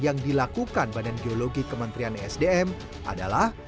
yang dilakukan badan geologi kementerian esdm adalah